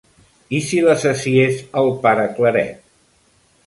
I si l'assassí és el pare Claret?